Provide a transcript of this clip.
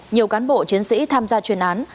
nhiều cán bộ chiến sĩ tham gia chuyên án